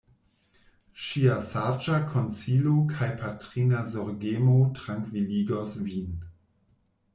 Ŝia saĝa konsilo kaj patrina zorgemo trankviligos vin.